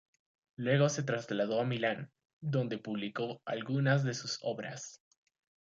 Luego se trasladó a Milán, donde publicó algunas de sus obras.